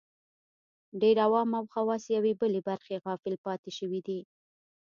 ډېر عوام او خواص یوې بلې برخې غافل پاتې شوي دي